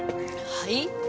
はい？